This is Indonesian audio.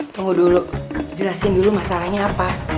tunggu dulu jelasin dulu masalahnya apa